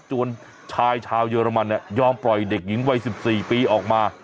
วนชายชาวเยอรมันเนี่ยยอมปล่อยเด็กหญิงวัย๑๔ปีออกมา